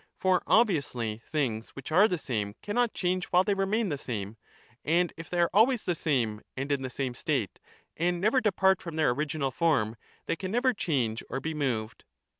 for obviously things which are the same cannot change while they remain the same ; and if they are always the same and in the same state, and never depart from their original form, they can never change or be moved.